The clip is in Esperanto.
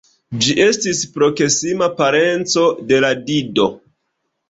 Ĝi estis proksima parenco de la Dido.